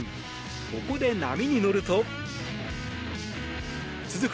ここで波に乗ると続く